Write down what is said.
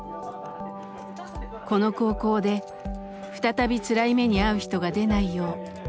この高校で再びつらい目に遭う人が出ないようみんなで確認します。